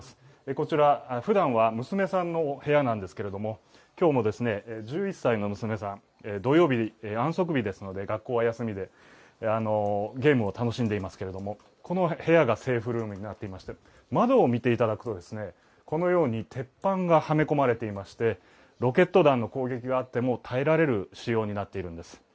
こちら、ふだんは娘さんの部屋なんですけれども、今日も１１歳の娘さん、土曜日、安息日ですので学校は休みで、ゲームを楽しんでいますけれども、この部屋がセーフルームになっていまして、窓を見ていただくとこのように鉄板がはめ込まれていましてロケット弾の攻撃があっても耐えられる仕様になっているんです。